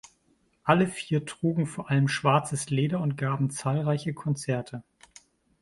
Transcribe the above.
Alle vier trugen vor allem schwarzes Leder und gaben zahlreiche Konzerte.